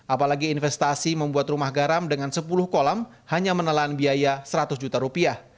apalagi investasi membuat rumah garam dengan sepuluh kolam hanya menelan biaya seratus juta rupiah